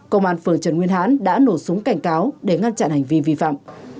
công an phường trần nguyên hán đã nổ súng cảnh cáo để ngăn chặn hành vi vi phạm